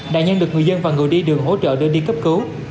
nạn nhân được người dân và người đi đường hỗ trợ đưa đi cấp cứu